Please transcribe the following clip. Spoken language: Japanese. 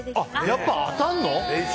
やっぱり当たるの？